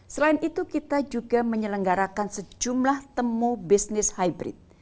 selain itu kita juga menyelenggarakan sejumlah temubisnis hybrid